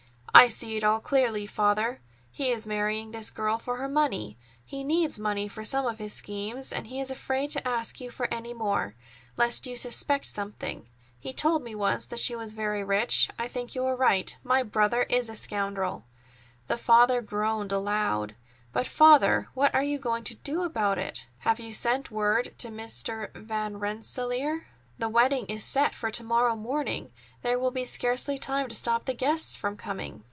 "I see it all clearly, Father. He is marrying this girl for her money. He needs money for some of his schemes, and he is afraid to ask you for any more, lest you suspect something. He told me once that she was very rich. I think you are right: my brother is a scoundrel!" The father groaned aloud. "But, Father, what are you going to do about it? Have you sent word to Mr. Van Rensselaer? The wedding is set for to morrow morning. There will be scarcely time to stop the guests from coming."